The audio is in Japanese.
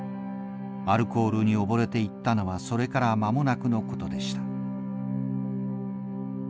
アルコールにおぼれていったのはそれから間もなくのことでした。